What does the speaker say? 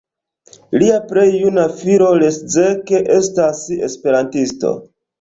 Lia plej juna filo Leszek estas esperantisto.